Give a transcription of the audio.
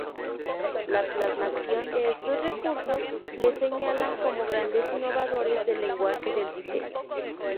La plasmación de estos recursos les señalan como grandes innovadores del lenguaje del diseño.